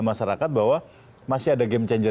masyarakat bahwa masih ada game changer